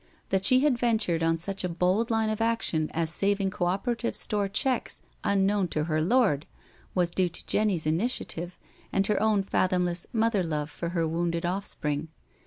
That she had ventured on such a bold line of action as saving Co operative Store checks unknown to her lord; was due to Jenny's initiative and her own fathomless mother love for her wounded offspring.